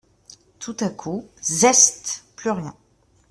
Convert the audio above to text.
Tout à coup… zeste ! plus rien.